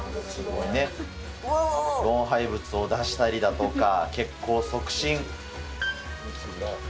老廃物を出したりだとか、血行促進。